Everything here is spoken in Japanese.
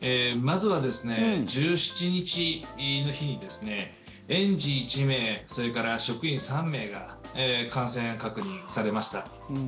まずは１７日の日に園児１名、それから職員３名が感染確認されました。